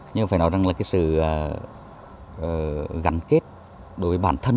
nhưng phải nói rằng là cái sự gắn kết đối với bản thân